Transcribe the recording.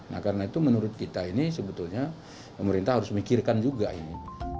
nah karena itu menurut kita ini sebetulnya pemerintah harus mikirkan juga ini